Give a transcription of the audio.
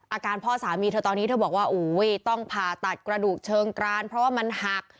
อาการพ่อสามีเธอตอนนี้เธอบอกว่าต้องผ่าตัดกระดูกเชิงกรานเพราะว่ามันหัก